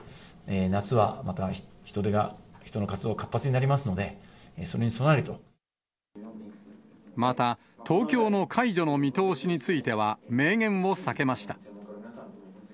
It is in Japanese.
夏はまた人出が、人の活動が活発また、東京の解除の見通しについては、明言を避けました。